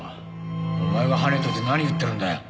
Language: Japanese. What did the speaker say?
お前がはねといて何言ってるんだよ！